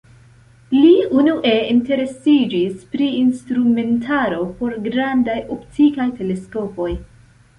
Li unue interesiĝis pri instrumentaro por grandaj optikaj teleskopoj.